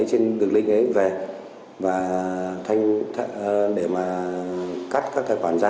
trên đường link ấy về để mà cắt các tài khoản ra